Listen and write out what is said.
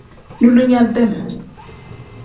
Duulinya tem.